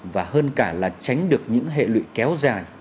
và hơn cả là tránh được những hệ lụy kéo dài